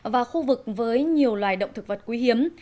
và khu vực với nhiều loài động thực vật quý hiếm